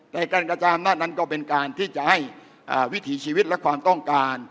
แต่การกระจายอำนาจนั้นก็เป็นการที่จะให้วิถีชีวิตและความต้องการ